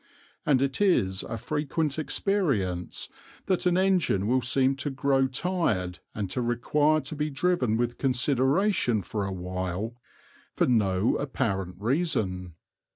and it is a frequent experience that an engine will seem to grow tired and to require to be driven with consideration for a while, for no apparent reason.